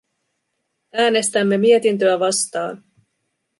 Äänestämme mietintöä vastaan.